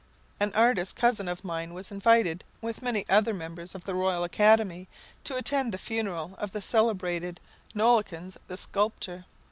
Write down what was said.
An artist cousin of mine was invited, with many other members of the Royal Academy, to attend the funeral of the celebrated Nollekens the sculptor.